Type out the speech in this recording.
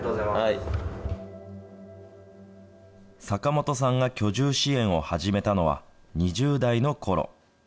坂本さんが居住支援を始めたのは、２０代のころ。